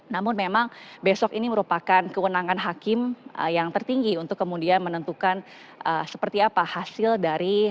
namun memang besok ini merupakan kewenangan hakim yang tertinggi untuk kemudian menentukan seperti apa hasil dari